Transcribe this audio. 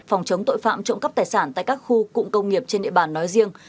phòng chống tội phạm trộm cắp tài sản tại các khu cụm công nghiệp trên địa bàn nói riêng